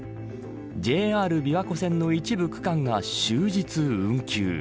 ＪＲ琵琶湖線の一部区間が終日運休。